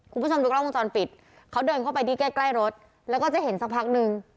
คุณผู้ชมดูกล้องวงจรปิดเขาเดินเข้าไปที่ใกล้ใกล้รถแล้วก็จะเห็นสักพักนึง